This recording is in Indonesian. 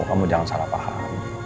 kamu jangan salah paham